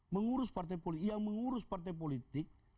mengurus partai politik yang mengurus partai politik